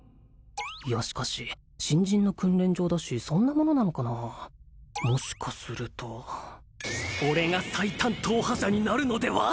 いやしかし新人の訓練場だしそんなものなのかなあもしかすると俺が最短踏破者になるのでは！